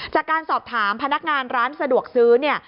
จากการสอบถามพนักงานร้านสะดวกซื้อเนี่ย